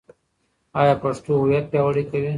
ایا پښتو هویت پیاوړی کوي؟